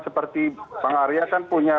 seperti bang arya kan punya